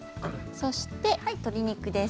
そして鶏肉です。